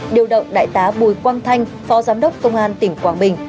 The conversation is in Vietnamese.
điều động đại tá bùi quang thanh phó giám đốc công an tỉnh quảng bình